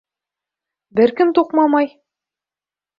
Бер кем туҡмамай!